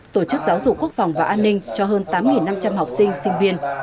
tổ chức giáo dục quốc phòng và an ninh cho hơn tám năm trăm linh học sinh sinh viên